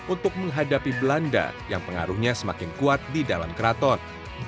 untuk menghadapi belanda yang pengaruhnya semakin kuat di dalam keraton